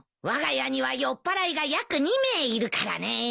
わが家には酔っぱらいが約２名いるからね。